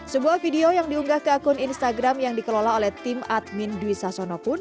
sebuah video yang diunggah ke akun instagram yang dikelola oleh tim admin dwi sasono pun